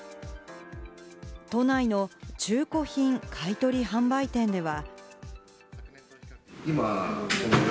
都内の中古品買い取り販売店では。